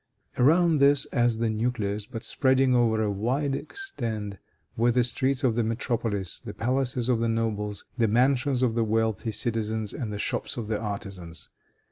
Around this, as the nucleus, but spreading over a wide extent, were the streets of the metropolis, the palaces of the nobles, the mansions of the wealthy citizens and the shops of the artisans.